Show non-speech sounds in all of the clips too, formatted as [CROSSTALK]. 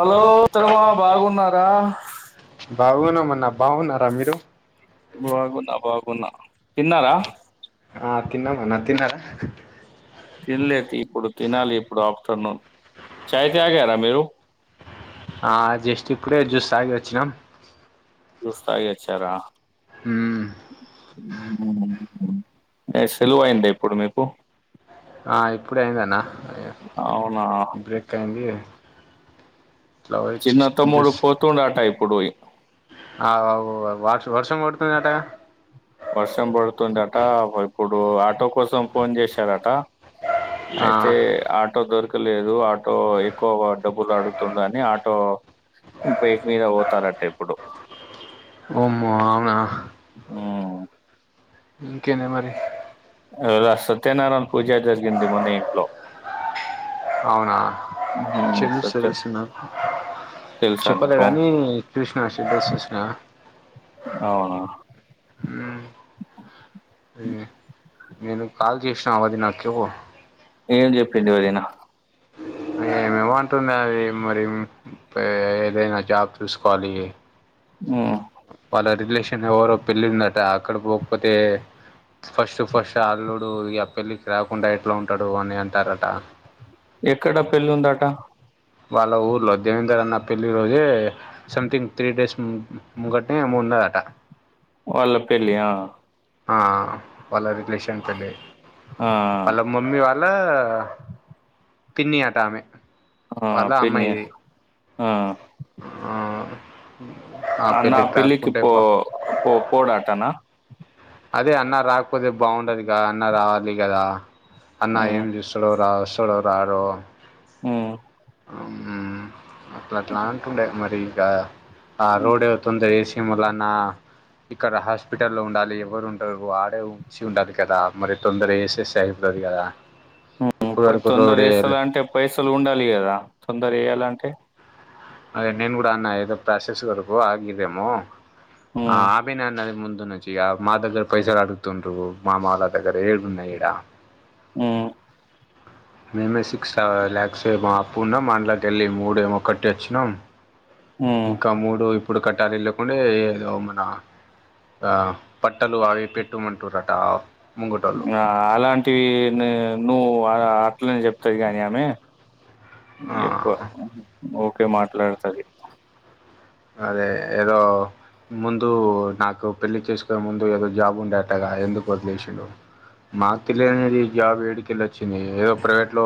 Hello ఉత్తరమా బాగున్నారా బాగున్నామన్నా బాగున్నారా మీరు బాగున్నా బాగున్నా తిన్నారా ఆ తిన్నమ నా తిన్నారా తినలేదు ఇప్పుడు తినాలి ఇప్పుడు ఆఫ్టర్నూన్ చాయ్ తగారా మీరు ఆ జస్టి ఇప్పుడే జూస్ తాగి వచ్చినాం చూస్తాగిచ్చారా ఉమ్ సలువు అయిడి ఇప్పుడు మీకు ఇప్పుడ అయిందన్న అవునా బ్రేక్ అయింది ఇట్లా వచ్చి చిన్న తమ్ముడు జ్యూస్ పోతుండా టైప్ పడుయి ఆ వష వర్షం కొడుతు చటా వర్షం పడుతుందట ఇప్పుడు ఆటో కోసం ఫోన్ చేశారట ఆ అయితే ఆటో దొర్క లేదు ఎక్కువగా డబ్బు లు అడుగుతుడు అని ఆటో బైక్ మీద పోతారట ఇప్పుడు ఆమా అవునా ఉవ్ ఇంకేమె మరి ఇగ సత్యనారాయణ పూజ జరిగింది మన ఇంట్లో అవునా చెదు సత్యం చ నాకు తెలుసా చెప్పలే నీకు కాని కృష్ణ చెద్ద చసినా అవునా ఏ, నేను కాల్ చేసినా అది నచ్చకే ఏం చెప్పిండు వదినా మేమంటుంన్నా అది మరి ఏదైనా జాబ్ చూసుకోవాలి ఉమ్ వాళ్ళ రిలేషన్ ఎవరో పెళ్ళి ఉందట అక్కడ పోక్పోతే ఫస్ట్ ఫస్ట్ అల్లుడు ఇ ఆ పెళ్ళికి రాకుండ ఎట్లా ఉంటాడు అని అంటారట ఎక్కడ పెళ్ళి ఉందట వాళ్ళ ఊర్లో దేవేందర్ అన్న పెళ్లిి రోజే సంథింగ్ త్రీ డేస్ మ ముంగటినే ముందట అట వాళ్ళ పేళ్ళి ఆ వాల్లది రిలేషన్ తో నె ఆ వాళ్ళ మమ్మీ వాళ్ళ తిన్ని ఆటామె ఆ పేన్నె ఆ ఆ ఆ అ నా పెళ్ళికి రాకుంటే పో బా పో పోడాటన అదే అన్న రాకపోతే బాగుండదిగా అన్న రావాలి కదా అన్నా ఉమ్ ఏం చూస్తడు రావాస తోడూ రారు ఉమ్ అట్ల అట్లాంటుండే మరి గాయ ఆ రోడ్ ఎవ తొందర ఏసి ప మూలన ఇక్కడ హాస్పిటల్లో ఉండాలి ఎవరు ఉండరు ఆడే ఉంచి ఉండాలి కదా మరి తొందర వేసేసి అయిపోతుంది కదా ఉమ్ ఇప్పుడు వరకు తొందర రోడ్ వేయలే వేస్తదా అంటే పైసలు ఉండాలి కదా తొందర చేయాల అంటే అదే నేను కూడ అన్న ఏదో ప్రాసెస్ వరకు ఆగదేమో ఆ ఉమ్ ఆపినన్నది ముందు పొద్దు నీచ్చియా మా దగ్గర పైసలు అడుగుతుండ్రు మామలా దగ్గర ఏడున్నాయె ఈడా ఉమ్ మేమే సిక్స్ ల్యాక్స్ ఏమో అప్పు ఉన్నాం మన్ల అటు వెళ్ళి మూడు ఏమో కట్టి వచ్చినాం ఉమ్ ఇంక మూడు ఇప్పుడు కట్టాల వెళ్ళకుంే ఏదో మన పట్టలు అవి పెట్టుమంటురట ఆ అలాంటివి ని నువ్వు ఇట్లనె జెప్తది ఇగ ఆమె ఎక్కువ ఓ ఓకే మాట్లాడతది. అదే ఏదో ముందు నాకు పెళ్లి చేసుకునే ముందు ఏదో జాబ్ ఉండే అటా గా ఎందుకు వదిలేసిండు. మాకు తెలియనేది జాబ్ ఏడికెళ్ళి వచ్చింది ఏదో ప్రైవేట్లో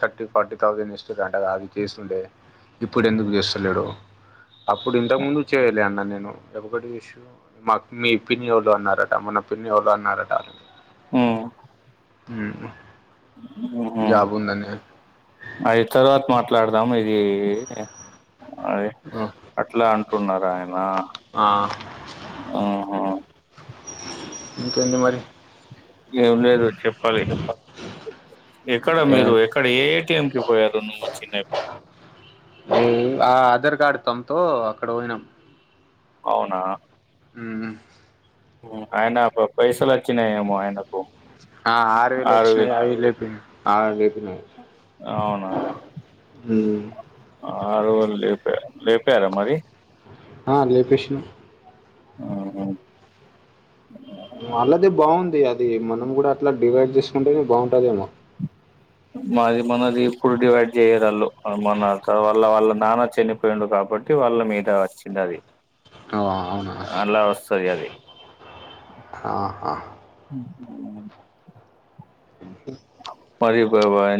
థర్టీ, ఫార్టీ థౌసండ్ ఇస్తురు. అట గా అది చేస్తుండే ఇప్పుడు ఎందుకు చేస్తలేడో అప్పుడు ఇంతకు ముందు చేయలే అన్న నేను మాకు మీ పిన్ని వొళ్ళు అన్నారట, మన పిన్ని వాళ్ళు అన్నారట అ హ్మ్ హ్మ్ ఉ హ్మ్ ఉ అయిదు తరువాత మాట్ మాట్లాడదాం అది అదే అట్లా అంటున్నారా ఆయన ఆ ఆహ ఇంక ఎంది మరి ఏమ్ లేదు చెప్పాలి. ఎక్కడ మీరు ఎక్కడ ఏ టెంపుల్ పోయారు. రెండు, మూడు, చిన్నవి ఆధార్ కార్డు థంబ్ తో అక్కడ పోయినాం. అవునా హ్మ్ ఉ ఆయన పైసలు వచ్చినాయేమో ఆయనకు ఆ ఆరు వేలు వచ్చినాయి. [UNINTELLIGIBLE] అయిపోయినాయి. ఆరువేలు ఇచ్చినా అవునా ఆరువేలు లేప లేపార మరి ఆ లేపేసినాం ఆహా వాళ్లదే బాగుంది. అది అది మనం కూడా అట్లా డివైడ్ చేసుకుంటేనే, బాగుంటదేమో మాది మనది ఇప్పుడు డివైడ్ చేయ్యేరు వాళ్ళు మన కావ్య వాళ్ళ నాన్న చనిపోయిండు. కాబట్టి వాళ్ళ మీద వచ్చింది. అది అవునా అలా వస్తాది. అది ఆ అ ఆ మరి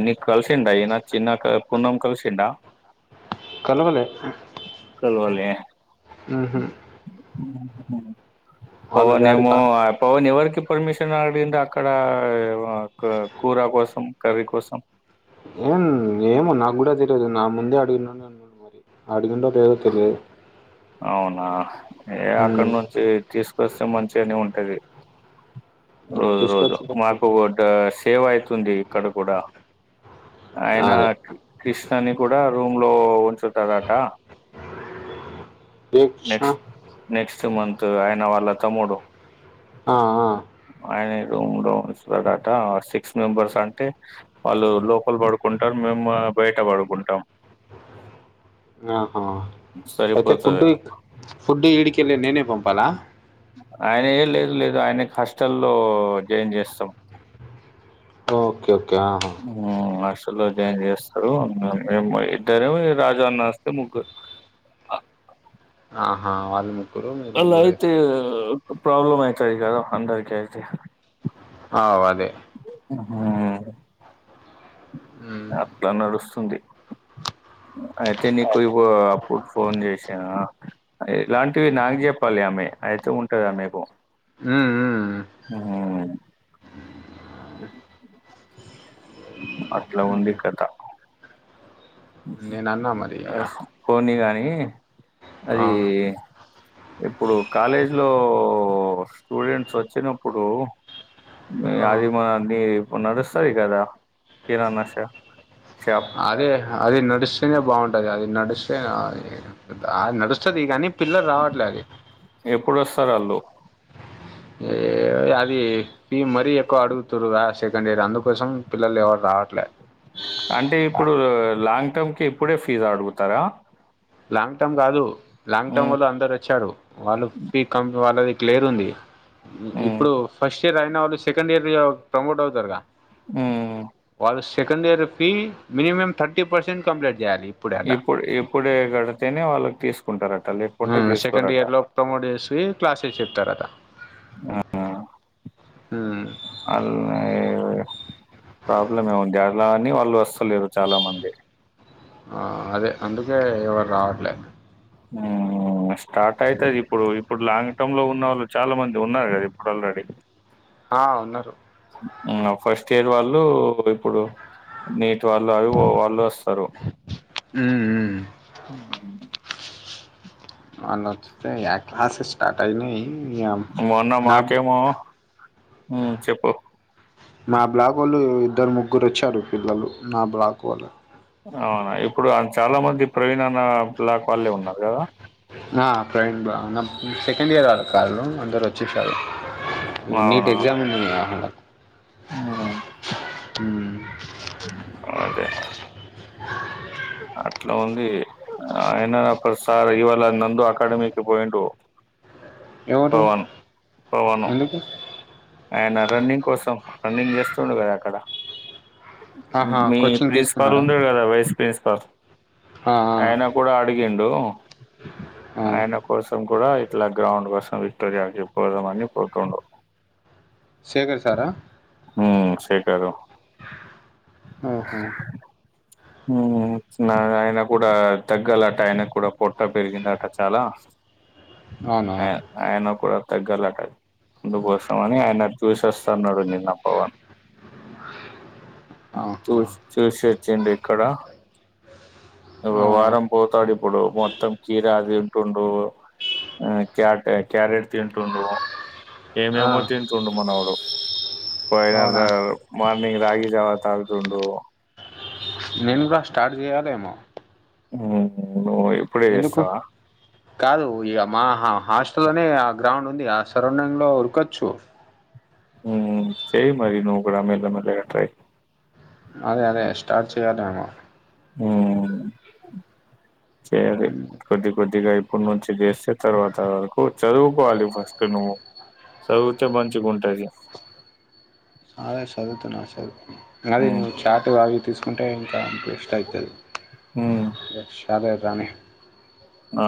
నిక్ కలిసిండా ఈయన చిన్నక్క, పున్నం కలిసిండా కాలవలే కాలవలే హ్మ్ ఉ ఉ పవన్ డాడీ ఏమో కా పవన్ ఎవరికి పర్మిషన్ అడింద అక్కడ ఏమో ఒక కూర కోసం కవి కోసం ఏం ఏమో నాకు కూడా తెలియదు నా ముందే అడిగినా అనడు మరి అడిగుండో అవునా ఏ అక్కడ ఉమ్, నుంచి తీసుకొస్తే మంచిగానె ఉంటది ఆ, రోజు రోజు తీసుకొచ్చిండే మాకు తెలుసు. వొడ్డ సేవ్ అయితుంది ఇక్కడ కూడా, ఆయన అదే కృష్ణని కూడా రూమ్ లో ఉంచుతారట. ఏ కృష్ణ నెక్స్ట్ నెక్స్ట్ మం త్ ఆయన వాళ్ళ తమ్ముడు ఆ ఆ ఆయన రూమ్ లో వస్తాడట సీ క్స్ మెంబర్స్ అంటే వాళ్ళు లోపల్ పడుకుంటారు. మేము బయట పడుకు. ఉంటాం ఆ అయితే సరిపోతది ఫుడిక్ ఫుడ్ ఇడికి లే నేనే పంపాలా ఆయన ఏం లేదు లేదు ఆయనకి హాస్టల్లో జాయిన్ జేస్సాం ఓకే ఓకే ఆహా లో జాయిన్ జేస్తరు మేం బోయి ఇద్దరం రాజ అన్న వస్తే ముగ్గురు ఆహా వాళ్ళు ముగ్ అలా అయితే ప్రాబ్లమ్ అయితాది గదా అందరుకి అయితే ఆవ్ అదే మ్మ్ హ్మ్ ఉమ్, అట్లా నడుస్తుంది అయితే నీకు ఇ అప్పుడు ఫోన్ జేశా, ఇలాంటివి నాకు చెప్పాలి ఆమె అయితే ఉంటదు ఆమెకు హ్మ్ హ్మ్మ్ ఔన్ అ అట్లా ఉంది కథ నేను అన్నా మరి ఆ, అహ్ పోనీగా [UNINTELLIGIBLE] ఆ, అది ఇప్పుడు కాలేజ్ లో స్టూడెంట్స్ వచ్చినప్పుడు మ్ ఆ. అది వాడ్ నీవ్ ఇప్పుడు నడుస్సది కదా కిరాణ షా షాప్ అదే అది నడుస్తూనే బాగుంటది అది నడుస్ నడుస్తది ఈ కానీ పిల్లలు రావట్లే అవి పోరొస్తరువల్లు ఏ అది ఫ మరీ ఎక్కువ అడుగుతుారుగా సెకండ్ ఇయర్ అందుకోసం పిల్లలు ఎవరు రావట్లే అంటే ఇప్పుడు లాంగ్ టర్మ్ క ఇప్పుడే ఫీజ్ అడుగుతార లాంగ్ టర్మ్ కాదు లాంగ్ టర్మ్ వాళ్ళ అందరు వచ్చారు వాళ్ళు ఫీ కం వాళ్ళది క్లియర్ ఉంది మ్మ్ ఇప్పుడు ఫస్ట్ ఇయర్ అయిన వాళ్ళు సెకండ్ ఇయర్ ప్రమోట్ అవుతారుగా ఆ second year fee minimum thirty percent complete చేయాలి ఇప్పుడే అట ఇప్పుడు ఇప్పుడే క్కడ అనే వాళ్ళకి తీసుకుంటారు సెకండ్ ఇయర్ లో ప్రమోట్ చేసి క్లాస్ [UNINTELLIGIBLE] ఆ అ ప్రాబ్లం ఏముంది అలా అని వాళ్ళు వస్తలేరు చాలా మంది ఆ అదే అందుకే ఎవరు రావట్లేదు స్టార్ట్ అయితుది ఇప్పుడు ఇప్పుడు లాంగ్ టర్మ్ లో ఉన్న వాళ్ళు చాలా మంది ఉన్నారు కదా ఇప్పుడు ఆల్రెడీ ఆ ఉన్నారు ఫస్ట్ ఇయర్ వాళ్ళు ఇప్పుడు నీట్ వాళ్ళు అవి వాళ్ళు వస్తారు ఉమ్ ఉమ్ [UNINTELLIGIBLE] మొన్న నా మాకేమో హు చెప్పు మా బ్లాక్ వాళ్ళు ఇద్దరు ముగ్గురు వచ్చారు పిల్లలు నా బ్లాక్ వాళ్ళు అవునా ఇప్పుడు చాలా మంది ప్రవీణ్ అన్న బ్లాక్ వాళ్ళే ఉన్నారు కదా ఫ్రెండ్ బ సెకండ్ ఇయర్ వాళ్ కాలు అందరు వచ్చేసారు ఈ నీట్ అవునా ఎగ్జామ్ ఉంది అలా హ్మ్ అదే అ అట్లా ఉంది ఆయనప్పడు సార్ ఇవాళ నందు అకాడమీకి పోయిడు ఎవరు ఎందుకు ఆయన రన్నింగ్ కోసం రన్నింగ్ చేస్తుండు కదా అక్కడ ఆహా మీ కోచింగ్ ప్రిన్సిపాల్ తీసుకున్నాడా ఉండడు కదా వైసు పేస్క ఆ అయన ఆ కూడాడా అడుగి ఎండూ ఆ. ఆయన కోసం కూడా ఇట్లా గ్రౌండ్ కోసం విక్టోరియా చెదా అని పోతుండారు శేఖర్ సారా ఉమ్ సెకారు ఓహో ఆయన కూడా తగ్గాలట ఆయన కూడా పొట్టా పెరిగింద అట చాలా అవునా ఎన కూడా తగ్గలట అందుకోసం అని ఆయన చూసేస్తున్నాడు నిన్న పవన్ చూ ఆహా చూసిచ్చడి ఇ ఆ వారం పోతాడు ఇప్పుడు మొత్తం కీరా అది ఉంటుండు క క్యారెట్ తింటుడు ఆ ఏమేమో తింటుండు మనడు ప అవునా మ అంగ్ రగి జావాత ఆగండు నేను కూడా స్టార్ట్ చేయాలేమో ఉమ్ ఎందుకు కాదు ఇక మా హాస్ అస్తునే ఆ గ్రౌండ్ ఉంది ఆ సరౌండింగ్ లో ఉరకొచ్చు స మరి నుూ కూడాడ మల మల క టై అదే అదే స్టార్ట్ చేయాలమ ఉమ్ చే అ కొద్ది కొద్దిగాయి ఇప్పడు నుంచి చేసే తర్వాత వరకు చదువుకోవాలి ఫస్ట్ నువ్వు చదివితే మంచిగాంటది సదే చదువుతు నా చదు అదే మ్మ్ నవ చాట్ ఆవి తీసుకుంటే ఇంకా అపి ఇష్ట అవుతుంది మ్మ్ ఎ రాదే రానే హా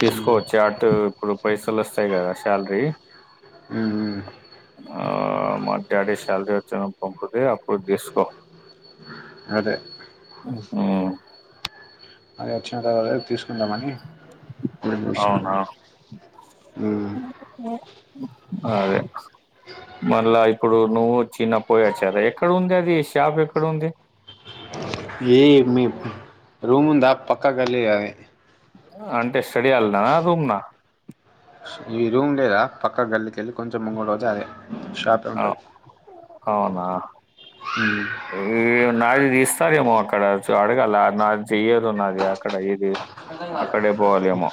తీసుకోవచ్చు అటు ఇప్పుడు పైసలు వస్తాయి కదా సల్రి ఆ మరి డాడీ సాలరి వచ్చ పంపద ఒకాటి థెస్కో అదే ఉమ్ అదేచ్చిన తీస్ అవునా అదే మళ్ళా ఇప్పుడు నువ్వు చిన్న పోయచ్చారా ఎక్కడ ఉంది అది షాప్ ఎక్కడ ఉంది ఏ మీ రూముంద పక్కా కలి అవే అంటే స్టడీయాలదనా రూమ్నా ఈ రూ ఉండేదా పక్క గల్లికెళ్ళి కొంచెం ముంగడు రోజు అదే షాపే ఆ అవునా ఉంటుంది ఈ నాడు సరేమో అక్కడ అడగాల నా చెయ్యదున్నది అక్కడ ఇది ఆక్కడ పోవాల అమ్మో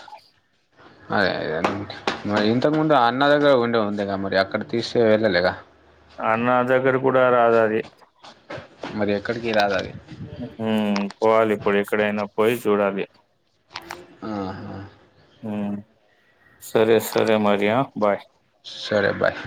అదే అదే మరి ఇంతకుముందు అన్న దగ్గర ఉండే ఉందిగా మరి అక్కడ తీస్తే వెళ్ళాలగా అన్న దగ్గర కూడా రాద అది మరి ఎక్కడికి రాద అది హ పోవాలి ఇప్పుడు ఎక్కడైనా పోయి చూడాలి ఆహా ఉమ్ సరే సరే మరి యా బాయ్ సరే బాయ్